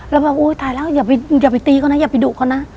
แล้วแบบอุ๊ยตายแล้วอย่าไปตีเขานะอย่าไปดุเขานะ